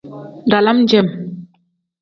Dalam cem.